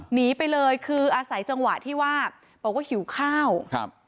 หนีไปเลยคืออาศัยจังหวะที่ว่าบอกว่าหิวข้าวครับ